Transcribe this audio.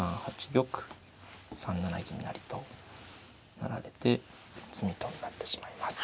玉３七銀成と成られて詰みとなってしまいます。